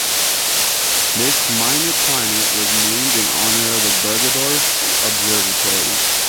This minor planet was named in honor of the Bergedorf Observatory.